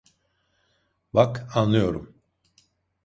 Bak, anlıyorum.